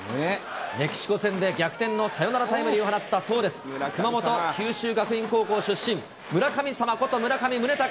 メキシコ戦で逆転のサヨナラタイムリーを放った、そうです、熊本、九州学院高校出身、村神様こと、村上宗隆。